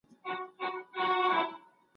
زه پرون ږغ اورم وم.